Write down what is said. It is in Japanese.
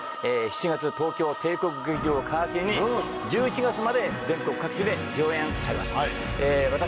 ７月東京帝国劇場を皮切りに１１月まで全国各地で上演されます。